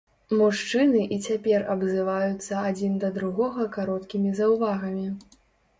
Мужчыны і цяпер абзываюцца адзін да другога кароткімі заўвагамі.